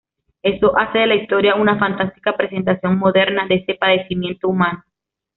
Eso hace de la historia una fantástica presentación moderna de este padecimiento humano.